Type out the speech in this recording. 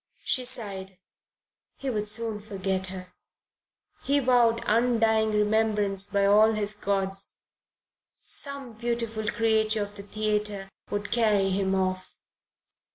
She sighed; he would soon forget her. He vowed undying remembrance by all his gods. Some beautiful creature of the theatre would carry him off.